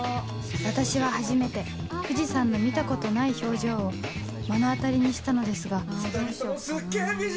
私は初めて藤さんの見たことない表情を目の当たりにしたのですが・２人ともすっげぇ美人！